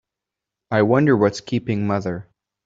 I wonder what's keeping mother?